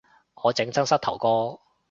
我整親膝頭哥